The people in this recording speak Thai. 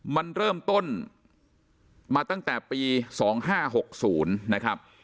มันเริ่มต้นมาตั้งแต่ปี๒๕๖๐นะครับ